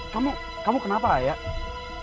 kamu kamu kenapa ayah